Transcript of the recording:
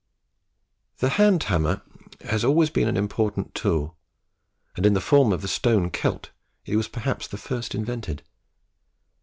The hand hammer has always been an important tool, and, in the form of the stone celt, it was perhaps the first invented.